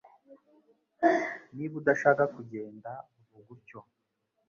Niba udashaka kugenda vuga utyo